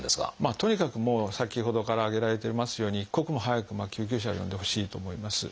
とにかくもう先ほどから挙げられていますように一刻も早く救急車を呼んでほしいと思います。